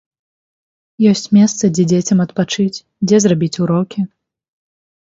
Ёсць месца, дзе дзецям адпачыць, дзе зрабіць урокі.